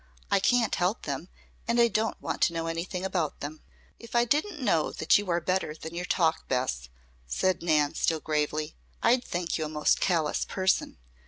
I can't help them, and I don't want to know anything about them." "If I didn't know that you are better than your talk, Bess," said Nan, still gravely, "I'd think you a most callous person.